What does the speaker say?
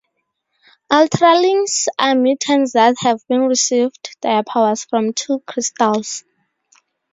Ultralings are mutants that have been received their powers from two Crystals.